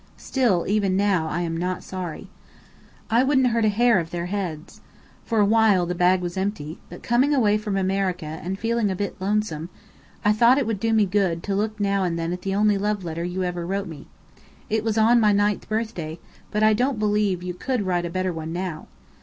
Still, even now, I am not sorry. I wouldn't hurt a hair of their heads. For a while the bag was empty; but coming away from America and feeling a bit lonesome, I thought it would do me good to look now and then at the only love letter you ever wrote me. It was on my ninth birthday but I don't believe you could write a better one now.